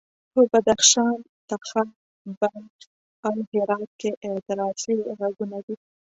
په بدخشان، تخار، بلخ او هرات کې اعتراضي غږونه دي.